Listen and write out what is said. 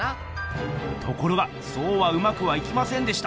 ところがそうはうまくはいきませんでした。